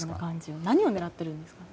何を狙ってるんですかね。